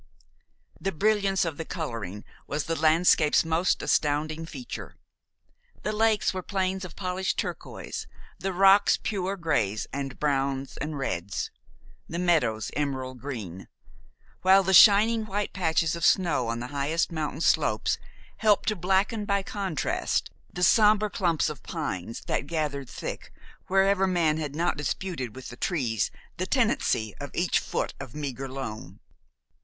The brilliance of the coloring was the landscape's most astounding feature. The lakes were planes of polished turquoise, the rocks pure grays and browns and reds, the meadows emerald green, while the shining white patches of snow on the highest mountain slopes helped to blacken by contrast the somber clumps of pines that gathered thick wherever man had not disputed with the trees the tenancy of each foot of meager loam.